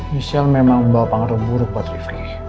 michelle memang membawa pengaruh buruk buat livi